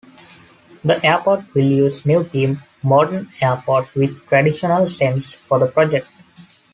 The airport will use new theme "Modern Airport With Traditional Sense" for the project.